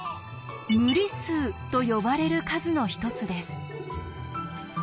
「無理数」と呼ばれる数の一つです。